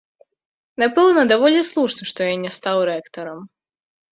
Напэўна, даволі слушна, што я не стаў рэктарам.